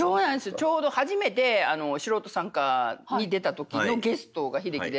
ちょうど初めて素人参加に出た時のゲストが秀樹で。